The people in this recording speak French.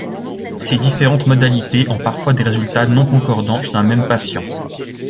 Ces différentes modalités ont parfois des résultats non concordants chez un même patient.